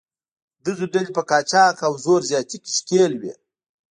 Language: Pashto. دغه ډلې په قاچاق او زور زیاتي کې ښکېل وې.